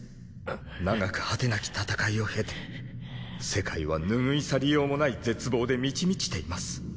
長く果てなき戦いを経て世界は拭い去りようもない絶望で満ち満ちています。